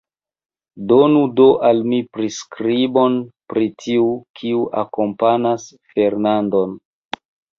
Donu do al mi priskribon pri tiu, kiu akompanas Fernandon.